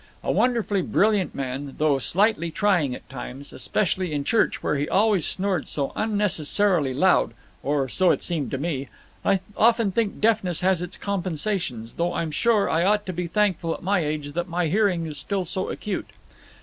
A wonderfully brilliant man, though slightly trying at times, especially in church, where he always snored so unnecessarily loud or so it seemed to me. I often think deafness has its compensations, though I'm sure I ought to be thankful at my age that my hearing is still so acute.